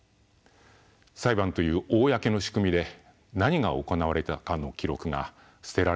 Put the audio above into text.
裁判という公の仕組みで何が行われたかの記録が捨てられてしまった。